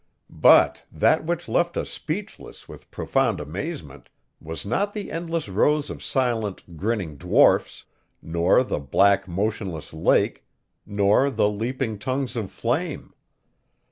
But that which left us speechless with profound amazement was not the endless rows of silent, grinning dwarfs, nor the black, motionless lake, nor the leaping tongues of flame.